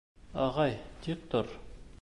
Ағай, тик тор.